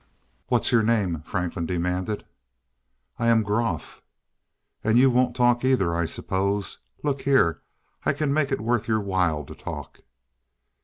"What's your name?" Franklin demanded. "I am Groff." "And you won't talk either, I suppose? Look here, I can make it worth your while to talk."